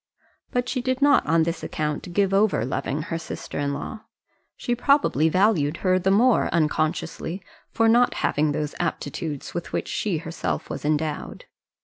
But she did not on this account give over loving her sister in law. She probably valued her the more, unconsciously, for not having those aptitudes with which she herself was endowed.